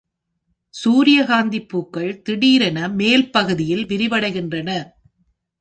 சூரியகாந்திப் பூக்கள் திடீரென மேல் பகுதியில் விரிவடைகின்றன.